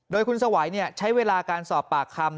โดยคุณสวัยใช้เวลาการสอบปากคำ